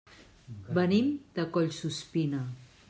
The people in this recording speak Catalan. Venim de Collsuspina.